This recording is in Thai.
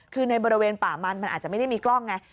คือในบริเวณป่ามันมันอาจจะไม่ได้มีกล้องไง